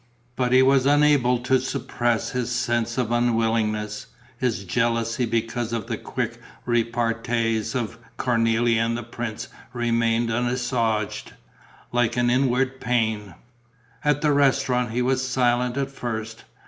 But he was unable to suppress his sense of unwillingness; his jealousy because of the quick repartees of Cornélie and the prince remained unassuaged, like an inward pain. At the restaurant he was silent at first.